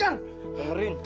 iya kalian mau mengancam saya